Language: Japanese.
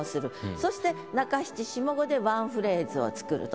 そして中七下五でワンフレーズを作ると。